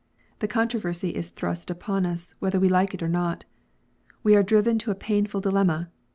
The controversy is thrust upon us, whether we like it or not. We are driven to a painful dilemma.